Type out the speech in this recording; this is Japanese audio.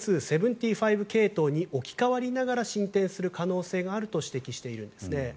．２．７５系統に置き換わりながら進展する可能性があると指摘しているんですね。